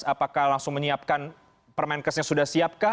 apakah langsung menyiapkan permenkesnya sudah siapkah